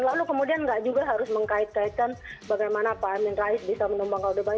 lalu kemudian tidak juga harus mengkait kaitkan bagaimana pak amin rais bisa menumbang kawdebang